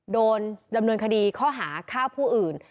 โดนดำเนินคดีข้อหาฆ่าผู้อื่น